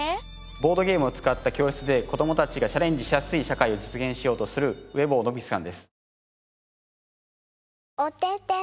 ボードゲームを使った教室で子供たちがチャレンジしやすい社会を実現しようとする上坊信貴さんです。